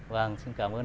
vâng xin cảm ơn anh